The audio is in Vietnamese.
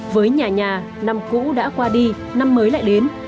với nhà nhà năm cũ đã qua đi năm mới lại đến